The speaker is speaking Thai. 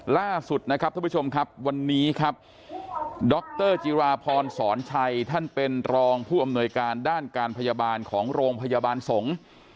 ล่าสุดนะครับท่านผู้ชมครับวันนี้ครับดรจิราพรสอนชัยท่านเป็นรองผู้อำนวยการด้านการพยาบาลของโรงพยาบาลสงฆ์